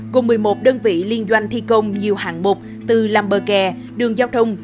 cùng một mươi một đơn vị liên doanh thi công nhiều hạng mục từ làm bờ kè đường giao thông